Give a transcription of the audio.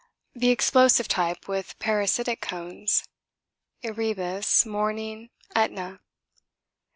The explosive type with parasitic cones Erebus, Morning, Etna.